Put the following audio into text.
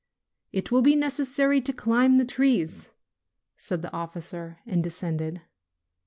"It will be necessary to climb the trees," said the officer, and descended.